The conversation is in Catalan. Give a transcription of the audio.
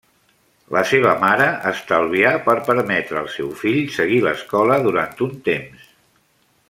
La seva mare estalvià per permetre al seu fill seguir l'escola durant un temps.